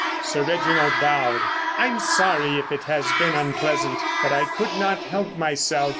Sir Reginald bowed. "I'm sorry if it has been unpleasant. But I could not help myself.